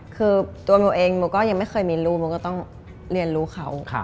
คือตัวหนูเองหนูก็ยังไม่เคยมีลูกหนูก็ต้องเรียนรู้เขา